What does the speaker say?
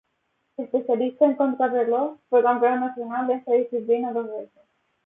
Especialista en contrarreloj, fue campeón nacional de esta disciplina dos veces.